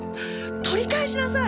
取り返しなさい！